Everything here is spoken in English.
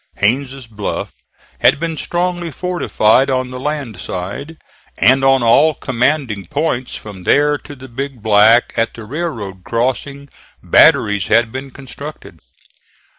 Haines' Bluff had been strongly fortified on the land side, and on all commanding points from there to the Big Black at the railroad crossing batteries had been constructed.